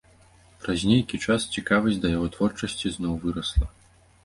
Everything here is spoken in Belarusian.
Праз нейкі час цікавасць да яго творчасці зноў вырасла.